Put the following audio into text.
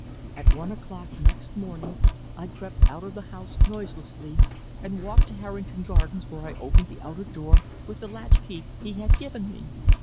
At one o'clock next morning I crept out of the house noiselessly, and walked to Harrington Gardens, where I opened the outer door with the latch key he had given me.